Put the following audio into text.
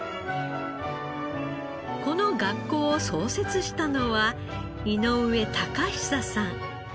この学校を創設したのは井上岳久さん。